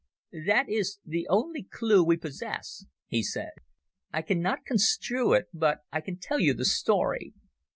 _" "That is the only clue we possess," he said. "I cannot construe it, but I can tell you the story.